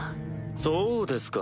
そうですか。